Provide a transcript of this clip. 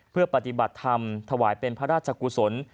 เพื่อปฏิบัติธรรมถวายเป็นพระราชกุศล